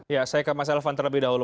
ya saya ke mas elvan terlebih dahulu